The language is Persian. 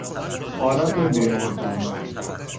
حالت بیمارگونه